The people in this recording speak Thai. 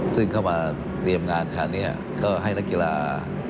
ซึ่งเข้ามาเตรียมงานคราวนี้ก็ให้นักกีฬา